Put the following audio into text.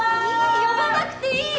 呼ばなくていいよ。